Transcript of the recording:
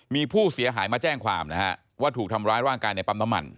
มีผู้เสียหายมาแจ้งความนะฮะว่าถูกทำร้ายร่างกายในปั๊มน้ำมัน